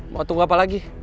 mau tunggu apa lagi